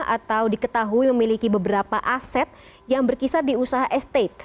atau diketahui memiliki beberapa aset yang berkisar di usaha estate